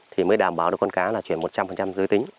thì mới đảm bảo được con cá là chuyển một trăm linh dư tính